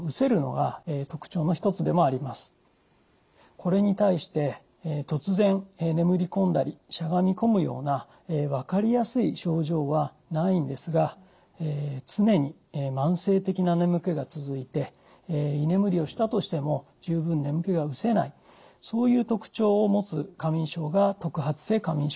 これに対して突然眠り込んだりしゃがみ込むような分かりやすい症状はないんですが常に慢性的な眠気が続いて居眠りをしたとしても十分眠気が失せないそういう特徴を持つ過眠症が特発性過眠症です。